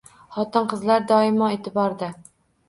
Xotin-qizlar doimo eʼtiborda